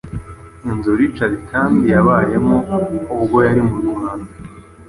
Inzu Richard Kandt yabayemo ubwo yari mu Rwanda